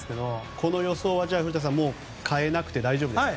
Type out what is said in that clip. この予想は古田さん変えなくて大丈夫ですか？